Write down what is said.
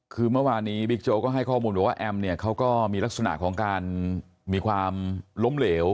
คือเมื่อวานนี้บิ๊กโจ๊กก็ให้ข้อมูลบอกว่าแอมเนี่ยเขาก็มีลักษณะของการมีความล้มเหลว